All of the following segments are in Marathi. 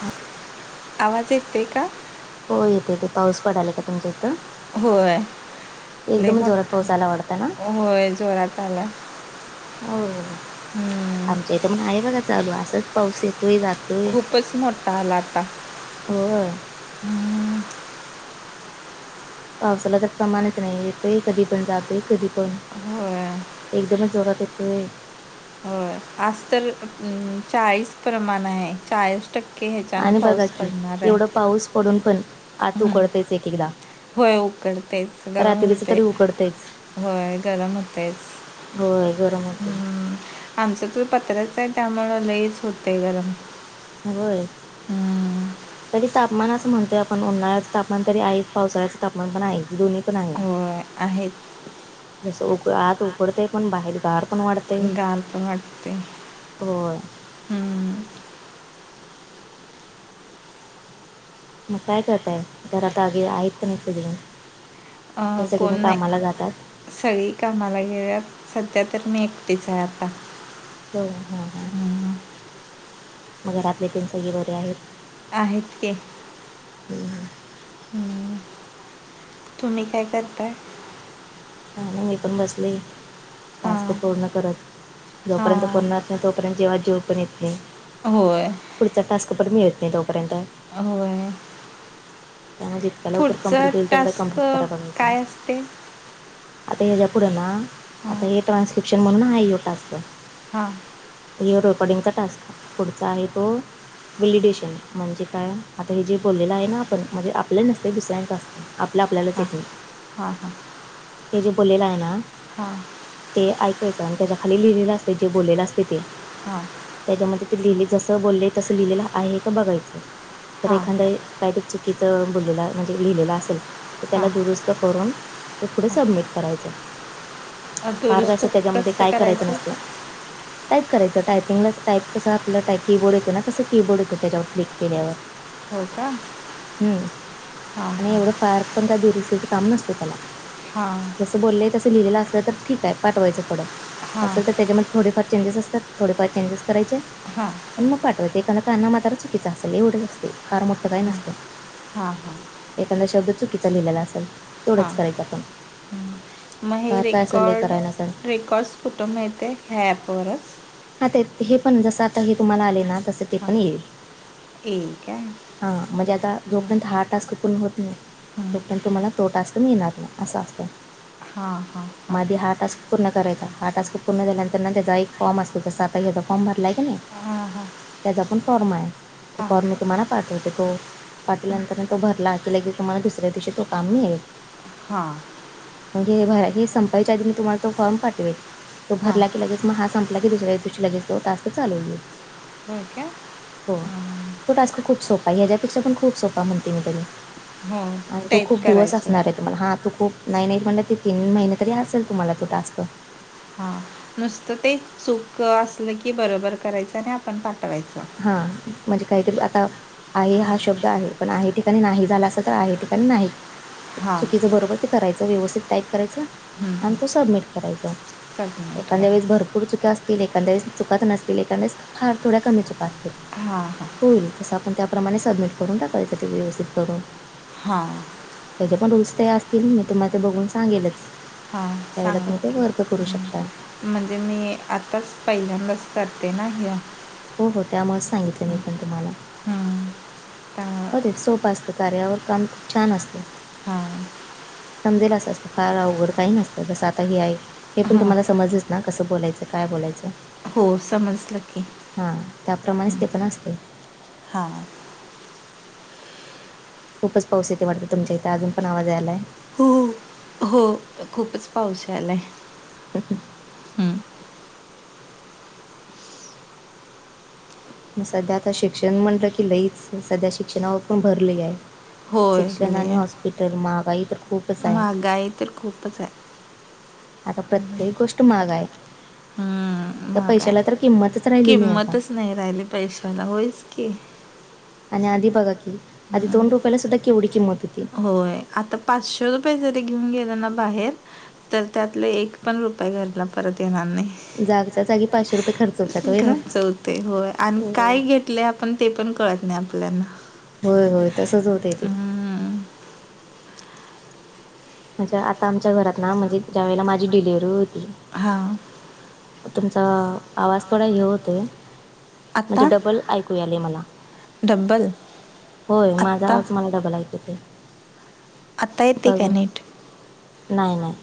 हा, आवाज येतोय का? होय येते येते पाऊस पडाला का तुमच्या इथं. होय. लई एकदमच जोरात पाऊस आला वाटतं ना मोठा होय जोरात आला. होय होय हम्म. आमच्या इथं पण हाय बघा चालू असाच पाऊस येतोय जातोय. खूपच मोठा आला आता. होय पावसाला तर प्रमाणच नाही येतोय कधी पण जातोय कधी पण होय एकदमच जोरात येतोय. होय आज तर उ चाळीस प्रमाण आहे चाळीस. टक्के ह्याच्यानं आणि बघा पाऊस की पडणारा हाय. एवढं पाऊस पडून पण आत उकडतयच एक एकदा. व्हय उकडतयच गरम रात्रीच हुतंय तरी उकडतयच व्हय गरम हुतयचं. होय गरम होतेय. आमचं तर पत्र्याच आहे त्यामुळं लईच होतंय गरम. होय. हम्म. तरी तापमान असं म्हणतोय आपण उन्हाळ्याच तापमान तरी आहेच पावसाळ्याच तापमान पण आहे दोन्ही पण आहे. [inaudible] होय आहेत. जस उक आत उघडतय पण बाहेर गार पण वाढतय गार पण वाटते हो. हम्म. मग काय करताय घरात आगे आहेत का नाही सगळीजण. का अं, कोण सगळीजण नाही कामाला जातात. सगळी कामाला गेल्यात सध्या तर मी एकटीच आहे आता. हो हम हम हम्म. मग घरातले तेन सगळे बरे आहेत. आहेत कि. हम्म. हमम. तुम्ही काय करताय? काय नाय मी पण बसले टास्क हां पूर्ण करत जोपर्यंत पुर्ण हां तोपर्यंत जिवात जिव पण येत नाही. होय. पुढचा टास्क पण मिळत नाही तोपर्यंत. होय. त्यामुळ जितक्या लवकर कम्प्लिट होईल तेवंढ कम्प्लिट कराय बघायचा. ते [unintelligible] आता ह्याच्या पुढं ना हां आता हे ट्रान्सक्रिप्शन म्हणून आहे यो टास्क. हा. ह्यो रेकॉर्डिंगचा टास्क पुढचा आहे तो वॅलिडेशन म्हणजे काय आता हे जे बोललेलं आहे ना आपण म्हणजे आपल नसतय दुसऱ्यांचं असतं. आपलं आपल्यालाच येत. हा हा. हे जे बोललेलं आहे ना. हा. ते ऐकायचं आणि त्याच्या खाली लिहिलेलं असतय जे बोललेलं असतय ते हा. त्याच्यामध्ये ते लिहिल जसं बोललेल तसं लिहिलेलं आहे का बघायचं. तर हां एखादं काहीतरी चुकीचं बोललेलं म्हणजे लिहिलेल असेल तर त्याला हां दुरुस्त करून ते पुढे सबमिट करायचं हां फार काय अस दुरुस्त त्याच्यामध्ये कसं काय करायचं नसत. टाईप करायचं टायपिंगला टाईप कसं आपलं टाई कीबोर्ड येत ना तसं कीबोर्ड येत त्याच्यावर क्लिक केल्यावर हो का हम्म हां आणि हां एवढं फार पण काय दुरुस्तीच काय काम नसतं त्याला. हा. जसं बोललंय तसं लिहिलेलं असलं तर ठीकये पाठवायचं पुढ हां नसेल तर त्याच्यामध्ये थोडेफार चेंजेस असतात थोडेफार चेंजेस करायचे हा. मग पाठवायचं एखादा कान्ना मात्रा चुकीच असेल एवढच असतय फार मोठं काही नसंतय. हा. एखादा शब्द चुकीचा लिहिलेला असेल. हा. तेवढंच करायचं आपण मग हे फार काय असेल लय रेकॉर्ड कराय नसेल. रेकॉर्ड्स कुठं मिळतय ह्या ॲपवरच? हा ते हे पण जसं आता हे तुम्हाला आलय ना तस ते हां पण येईल. एक आहे हा म्हणजे आता दोन जोपर्यंत हा टास्क पुर्ण होत नाही हं. तो पर्यंत तुम्हाला तो टास्क मिळणार नाय असं असतं. हां हां हां मधी हा टास्क पूर्ण करायचा हा टास्क पूर्ण झाल्यानंतर न त्याचा एक फॉर्म असतो तसा याचा फॉर्म भरलाय की नाही. हां हां त्याचा पण फॉर्म आहे तो फॉर्म मी हां तुम्हाला पाठवते तो पाठवल्यानंतर तो भरला की लगेच तुम्हाला दुसऱ्या दिवशी तो काम मिळेल. हा. म्हणजे हे भर हे संपायच्या आधी मी तुम्हाला तो फॉर्म पाठवेल. तो हां भरला की लगेच मग हा संपला की दुसऱ्या दिवशी लगेच तो टास्क चालू होईल. होय काय हो हमम. तो टास्कं खूंप सोपा आहे त्यांच्यापेक्षा पणं खुंट सोपा म्हणते मी तरी हो आणि तो टाईप खूंप दिवसं करायचं असणारं आहे तुम्हांला हां तूं खूंप नाहीं नाहीं पणं ते तीन महिने तरी असेल तुम्हांला तो टास्कं हां नुसतं ते सुंक असलं की बरोबर करायचं आणि आपणं पाठवांयचं हां म्हणजे कांहीतरी आंता आई हां शब्दं आहे पणं आई ठिकाणीं नाहीं झांला असं तरं आहे ठिकाणीं नाहीं हां चुकीचं बरोबर ते करायचं व्यवस्थित टाईप करायचं हं, आणि हं. ते सबमिट करायंचा सबमिट एखांद्या वेळेस कर भरंपूर पुूडं चुक्यां असतील एखादं चुकीचं नसतील एखादं फांर थोड्यां कमी चुकां असतील हां हां होईल तसं आपणं त्याप्रमाणें सबमिट करूंन टाकायचं ते व्यवस्थित करूंन हां त्यांच्या पणं दूसरे ते असतील मी तुम्हांला ते बघूंन सांगेलच हां त्यांवेळे तुम्हीं ते वर्क करूं शकता म्हणंजे मी आंताच पहिल्यांदाच करते नां ह्यां हो हो त्यांमुळेचं सांगितलं मी पणं तुम्हांला हं. हो ते त्या- सोपं असतं कार्यावर कामं खूंप छान असतं हां समजेल असं असतं फांर अवघंड कांहीं नसतं जसं आंता हे आहे हे पणं हां तुम्हांला समजलंच नां कसं बोलायचं कायं बोलायचं हो समजलं की हां त्यांप्रमाणेचं हं. ते पणं असतें हां खूपचं पाऊस येते वाटतो तुमच्यां अजूंन पणं आवांज यांयला आहे हो हो खूपचं पाऊस यांयला आहे असचं मंग संध्या आंता शिक्षणं म्हंलं की लईच संध्या शिक्षणांवर पणं भरं लंय आहे होय शिक्षणं आणि हॉस्पिटल महांगाई महागांई तरं खूपचं आहे आंता प्रत्येक गोष्ट महागं आहे तरं पैशाला तरं किंमत किंमतचं नाहीं राहिली पैशाला होयंच की आणि आंधी बघं की आंधी दोन रुपयांला सुद्धां केवढी किंमत होती होयं आंता पाचशे रुपये जरी घेऊंन गेलं नां बाहेर तरं त्यांतले एक पणं रुपया घरांला परंत येणारं नाहीं जांगच्या जांगी पाचशेरुपये खर्च होतात होय ना घरचं होते होयं आणि हो कायं घेतलंय आपणं ते पणं कळतं नाहीं आपल्यांला होयं होयं तसंच होते ती हम्म म्हणजे आंता आमच्यां घरांत नां म्हणजे ज्यां वेळेला मांझी डिलेवर्हरी होती हां तुमचां आवांज थोडां हे होतं म्हणजे आता डबल ऐकूं यांले मलां डब्बल होयं मांझा आत्ता आवांज मलां डबल ऐकूं येते मलां आंता येते कां नीट नाहीं नाहीं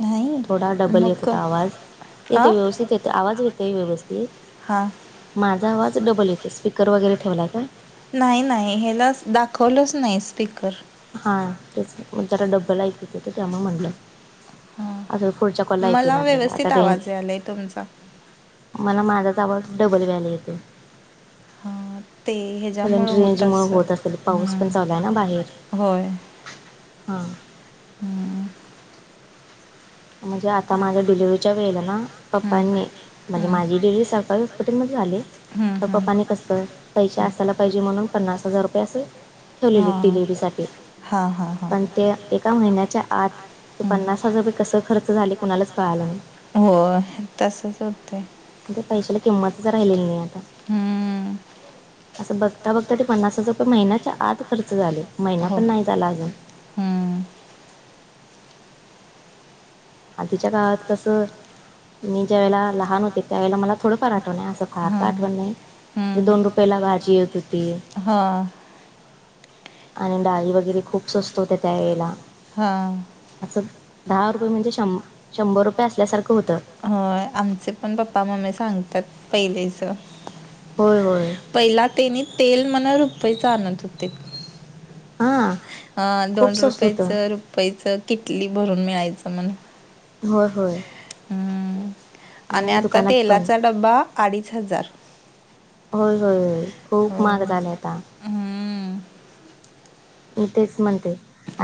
नाही थोडां डबल येतं मग होतां आवांज अ येते व्यवस्थित येतं आवांज येतंय व्यवस्थित हां माझां आवांज डबल येते स्पीकर वगैरें ठेवलांय कां नाहीं नाहीं ह्यांला दाखवलंच नाहीं स्पीकर हा, तेच. मग जरा डब्बल ऐकू येत होत. त्यामुळ म्हणलं. हां अजून पुढच्या कॉलला ऐकू मला येणार नाही. आता व्यवस्थित रेंज आवाज यायला आहे तुमचा मला, माझाच आवाज, डबल [unintelligible] येतेय. हां ते कारण, ह्याच्यामुळं रेंजमुळं होत असेल. पाऊस पण चालूय ना, बाहेर. हम्म होय. हा. हम्म म्हणजे आता, माझ्या डिलिव्हरीच्या वेळेला ना. हम्म पप्पांनी म्हणजे, हम्म माझी डिलिव्हरी सरकारी हॉस्पिटलमध्ये झाली. हम्म तर पपानी हम्म कसं, पैसे असायला पाहिजे. म्हणून, पन्नास हजार रुपये असं ठेवलेले डिलिव्हरी साठी. हा, हा, हा. अन् ते एका महिन्याच्या आत. ते हम्म. पन्नास हजार रुपये कसं खर्च झाले. कोणालाच कळाला नाही. होय. तसच होतय. ते पैशाला किंमतच राहिलेली नाही, आता. हम्म. असं, बघता - बघता ते पन्नास हजार रुपये महिन्याच्या आत खर्च झाले. महिना हो पण नाही झाला अजून. हम्म. आधीच्या काळात कसं मी ज्या वेळेला लहान होते. त्यावेेळेला, मला थोडंफार आठवणय. असं, फार हां का आठवण नाही. म्हणजे दोन रुपयाला भाजी येत होती. हा. आणि डाळी वगैरे, खूप स्वस्त होत्या. त्या वेळेला. हां. असं, दहा रुपये म्हणजे शं - शंभर रुपये असल्यासारखं होतं. होय. आमचे पण पप्पा- मम्मी सांगतात. पहिलेच. होय - होय. पहिला तेनी, तेल मन रुपयचं आणत होते. हा. हा, दोन रुपयाचं. रुपयच. किटली भरून मिळायचं म्हण. होय - होय. आणि आता दुकानात पण तेलाचा डबा, अडीच - हजार. होय - होय. खूप महाग होय. झालय आता. हम्म. मी तेच म्हणते.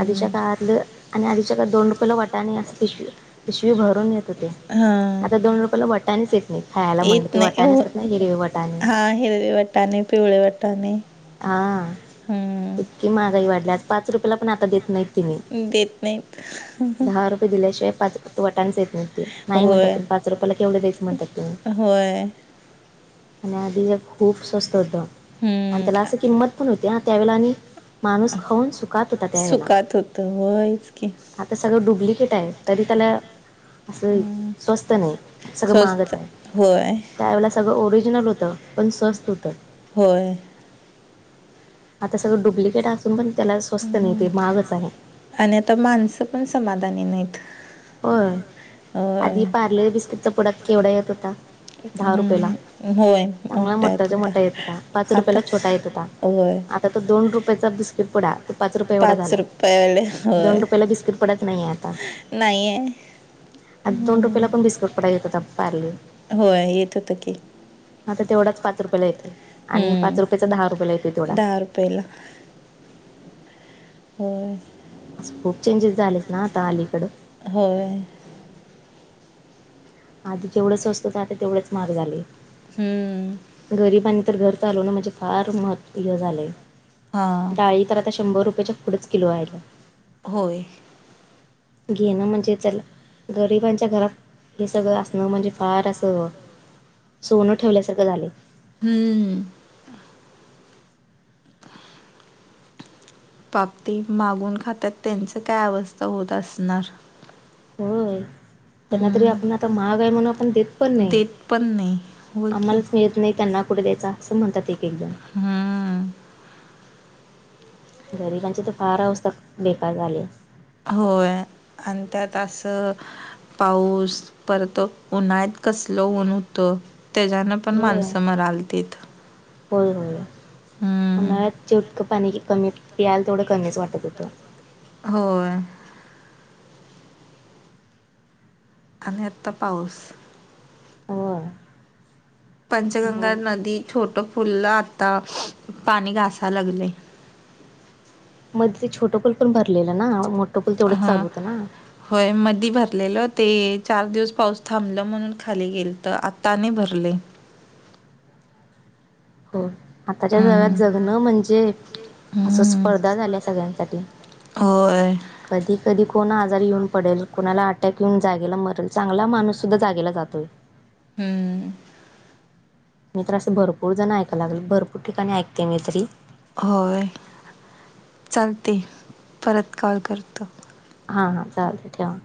आधीच्या काळातलं, आणि आधीच्या काळात दोन रुपयेला वाटाने, असं पिशवी पिशवी भरून येत होते. हा आता दोन रुपयाला वाटानेच येत नाही. खायाला येत म्हणलं ती नाही वटाने हो असतात ना. हिरवी वटाने. हा हिरवे वट वाटाने, पिवळे वाटाने. हा. इतकी महागाई वाढल्या. पाच रुपयाला पण आता देत नाहीत. तिने देत नाहीत. [unintelligible] दिल्या शिवाय, पाच वाटणेच देत नाहीत ते. नाही म्हणतात. होय तुम्ही पाच रुपयाला केवढे द्यायचे, म्हणतात तेनी. होय आणि आधी हे खूप स्वस्त होतं. हम्म. अन् त्याला असं किंमत पण होती. आणि त्यावेळेला आणि माणूस खाऊन सुख कात होता त्यावेळला. सुकात होत होयच की आता सगळं डुप्लिकेट आहे तरी त्याला असं हम्म स्वस्त नाही. सगळं स्वस्त महागच आहे होय त्यावेळेला सगळं ओरिजनल होतं पण स्वस्त होतं. होय. आता सगळं डुप्लिकेट असून पण त्याला स्वस्त नाही हम्म. ते महागच आहे. आणि आता माणसं पण समाधानी नाहीत. होय आधी होय पार्ले बिस्किटचा पुडा केवढा येत होता. दहा रुपययाला हम्म होय चांगला मोठ्यात मोठ्याचा मोठा येत होता पाच आता आता रुपयाेला छोटा येत होता. होय. आता त दोन रुपयाचा बिस्कीट पुडा. त पाच रुपये एवढा झालाय रुपयावाले होय दोन रुपयाला बिस्किट पडत नाहीये आता. नाही आहे. आधी दोन रुपयाला हम्म पण बिस्कुट पुडा येत होता पारले. होय येत होत की. आता तेवढाच पाच रुपयाेला येतोय आणि पाच रुपयाचा दहा रुपयाला येतोय तेवढा. पहिला. होय असं खूप चेंजेस झालेत ना आता अलीकडं. होय. आधी जेवढं स्वस्त होत आता तेवढेच महाग झालंय. हम्म गरिबांनी तर घर चालवणं म्हणजे फार महत हे झालंय. हां डाळी तर आता शंभर रुपयाच्या पुढेच किलो आहे. होय. घेणं म्हणजे चला गरिबांच्या घरात हे सगळं असणं म्हणजे फार असं. सोनं ठेवल्यासारखं झालंय. हम्म. पाप ते मागून खात्यात त्यांच काय अवस्था होत असणार. होय त्यांना तरी आपण हम्म आता महाग आहे म्हणून आपण देत''--'' पण नाही. देत पण नाही होय की. आम्हालाच मिळत नाही त्यांना कुठे द्यायचा असं म्हणतात एक एक जण. हा, गरिबांची तर फार अवस्था बेकार झालीये. होय. त्यात अस. पाऊस परतो उन्हाळ्यात कसल ऊन होत त्याच्यान. पण होय. माणसं मरालतीत. होय होय. हम्म उन्हाळ जितक पाणी कमी पियायला तेवढं कमीच वाटत होत. होय. आणि आत्ता पाऊस. होय. हो पंचगंगा नदी छोट फुललं आता पाणी घासा लागलेय. मध्ये ते छोटं पूल पण भरलेलं ना मोठं पूल तेवढंच चालू हा होतं ना. होय मधी भरलेलं ते चार दिवस पाऊस थांबलं म्हणून खाली गेलत आतानी भरलय. हो आताच्या जगात हम्म जगणं म्हणजे. असं हम्म स्पर्धा झाल्या सगळ्यांसाठी. होय. कधी कधी कोण आजारी येऊन पडेल. कोणाला अटॅक येेऊन जागेला मरेल चांगला माणूस सुद्धा जागेला जातोय. हम्म मी तर असे भरपूर जण ऐकाय लागलोय. भरपूर ठिकाणी ऐकते मी तरी होय. चालते. परत कॉल करतो. हा हा चालते ठेवा.